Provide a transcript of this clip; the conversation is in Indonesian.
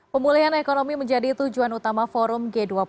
pemulihan ekonomi menjadi tujuan utama forum g dua puluh